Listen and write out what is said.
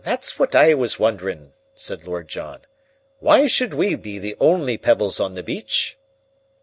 "That's what I was wonderin'," said Lord John. "Why should we be the only pebbles on the beach?"